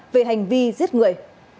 về hành vi giết người